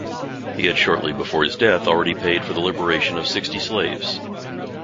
He had shortly before his death already paid for the liberation of sixty slaves.